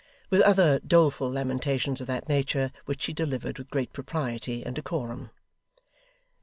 with other doleful lamentations of that nature, which she delivered with great propriety and decorum.